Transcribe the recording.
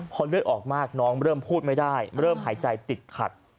เพราะเลือดออกมากน้องเริ่มหายใจติดขัด